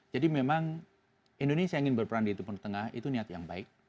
jadi memang indonesia ingin berperan di timur tengah itu niat yang baik